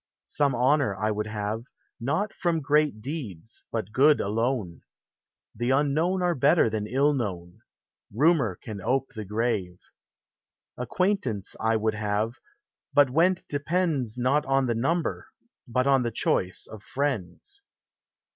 Some honor I would have, Not from great deeds, but good alone ; The unknown are better than ill known : Rumor can ope the grave. Acquaintance I would have, but when 't depends Not on the number, but the choice, of friends.